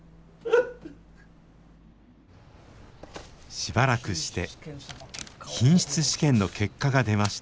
しばらくして品質試験の結果が出ました。